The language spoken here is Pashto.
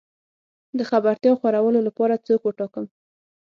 د خبرتيا خورولو لپاره څوک وټاکم؟